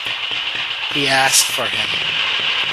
He asked for him.